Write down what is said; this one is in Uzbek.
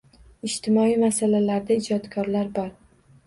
Ijtimoiy masalalarda ijodkorlar bor.